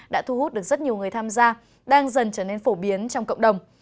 đã thu hút được rất nhiều người tham gia đang dần trở nên phổ biến trong cộng đồng